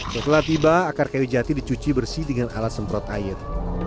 setelah tiba akar kayu jati dicuci bersih dengan alat semprot air